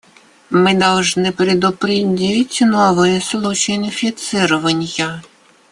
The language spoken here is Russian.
Мы должны предупредить новые случаи инфицирования.